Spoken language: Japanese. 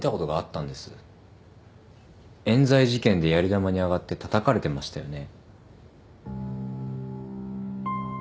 冤罪事件でやり玉に挙がってたたかれてましたよね。